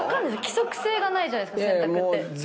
⁉規則性がないじゃない洗濯って。